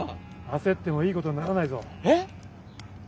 焦ってもいいことにはならないぞ。え？